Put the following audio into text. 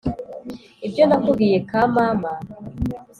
ibyo nakubwiye ka mama